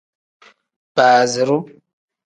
Baaziru.